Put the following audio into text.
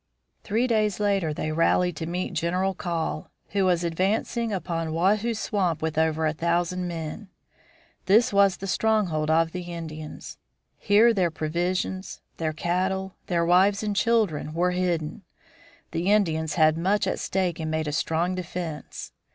Three days later they rallied to meet General Call, who was advancing upon Wahoo swamp with over a thousand men. This was the stronghold of the Indians. Here their provisions, their cattle, their wives and children were hidden. The Indians had much at stake and made a strong defense.